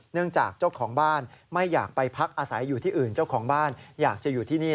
จากเจ้าของบ้านไม่อยากไปพักอาศัยอยู่ที่อื่นเจ้าของบ้านอยากจะอยู่ที่นี่